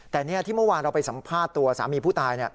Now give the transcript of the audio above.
แต่นี่ที่เมื่อวานเราไปสัมภาษณ์ตัวสามีผู้ตาย